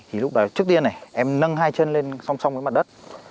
thì lúc trước tiên này em nâng hai chân lên song song với mặt đất